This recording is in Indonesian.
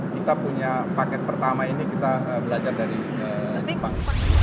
kita punya paket pertama ini kita belajar dari jepang